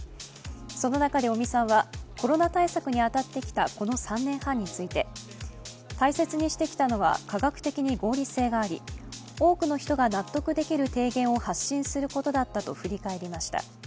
その中で尾身さんはコロナ対策に当たってきたこの３年半について大切にしてきたのは、科学的に合理性があり、多くの人が納得できる提言を発信することだったと振り返りました。